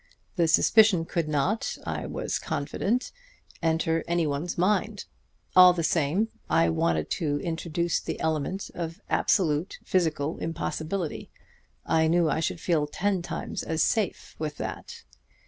The suspicion could not, I was confident, enter any one's mind. All the same, I wanted to introduce the element of absolute physical impossibility; I knew I should feel ten times as safe with that.